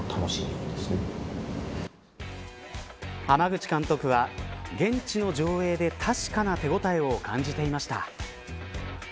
濱口監督は現地の上映で確かな手応えを感じていました。